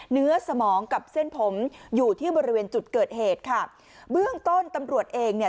สมองกับเส้นผมอยู่ที่บริเวณจุดเกิดเหตุค่ะเบื้องต้นตำรวจเองเนี่ย